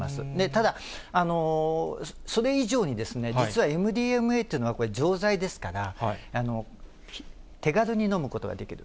ただ、それ以上に実はＭＤＭＡというのは、錠剤ですから、手軽に飲むことができる。